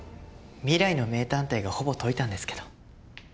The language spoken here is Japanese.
未来の名探偵がほぼ解いたんですけど。